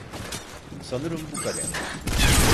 Sanırım bu kadar.